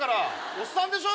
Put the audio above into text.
おっさんでしょ。